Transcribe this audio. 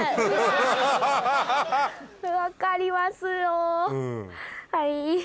分かりますよハイ。